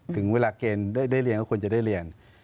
ถึงเวลาเกณฑ์ได้เรียนก็ควรจะได้เรียน